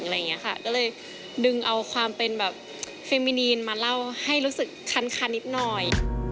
ก็เลยดึงเอาความเป็นแบบเฟมินีนมาเล่าให้รู้สึกคันนิดหน่อย